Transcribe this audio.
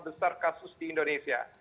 besar kasus di indonesia